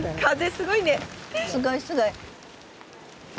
すごいすごい。